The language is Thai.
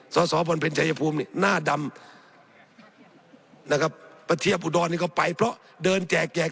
สอสอพลเพ็ญชายภูมินี่หน้าดำนะครับประเทศอุดรนี่ก็ไปเพราะเดินแจกแจก